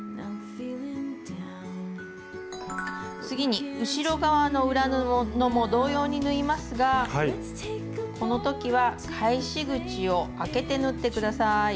次に後ろ側の裏布も同様に縫いますがこのときは返し口をあけて縫ってください。